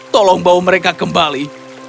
tolong bawa mereka kembali